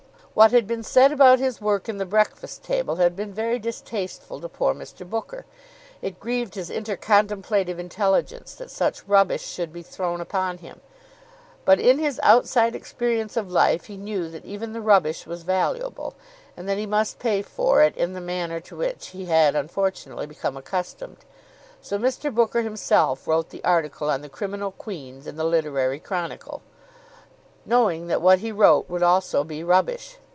What had been said about his work in the "Breakfast Table" had been very distasteful to poor Mr. Booker. It grieved his inner contemplative intelligence that such rubbish should be thrown upon him; but in his outside experience of life he knew that even the rubbish was valuable, and that he must pay for it in the manner to which he had unfortunately become accustomed. So Mr. Booker himself wrote the article on the "Criminal Queens" in the "Literary Chronicle," knowing that what he wrote would also be rubbish.